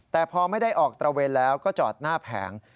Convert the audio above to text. แต่พอไม่ได้ออกตระเวนแล้วก็จอดหน้าแผง